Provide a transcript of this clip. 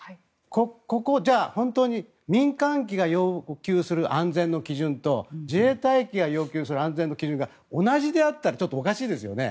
ここを本当に民間機が要求する安全の基準と自衛隊機が要求する安全の基準が同じであったらおかしいですよね。